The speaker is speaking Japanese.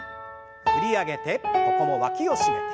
振り上げてここもわきを締めて。